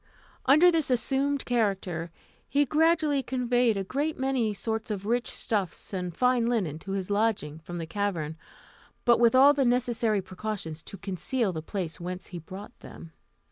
Under this assumed character, he gradually conveyed a great many sorts of rich stuffs and fine linen to his lodging from the cavern, but with all the necessary precautions to conceal the place whence he brought them.